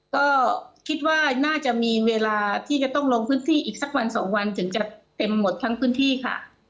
ก็คิดว่าน่าจะมีเวลาที่จะต้องลงพื้นที่อีกสักวันสองวันถึงจะเต็มหมดทั้งพื้นที่ค่ะ